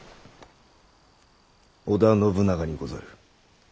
織田信長にござる。